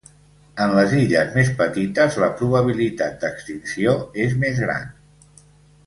En les illes més petites la probabilitat d'extinció és més gran.